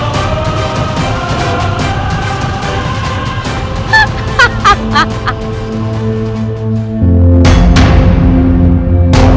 sampai aku mati